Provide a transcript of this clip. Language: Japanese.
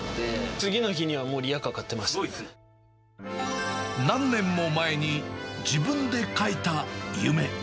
次の日にはもう、何年も前に自分で描いた夢。